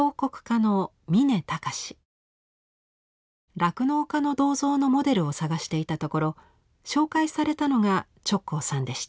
酪農家の銅像のモデルを探していたところ紹介されたのが直行さんでした。